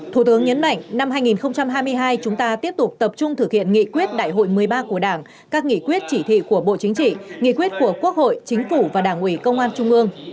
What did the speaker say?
thủ tướng nhấn mạnh năm hai nghìn hai mươi hai chúng ta tiếp tục tập trung thực hiện nghị quyết đại hội một mươi ba của đảng các nghị quyết chỉ thị của bộ chính trị nghị quyết của quốc hội chính phủ và đảng ủy công an trung ương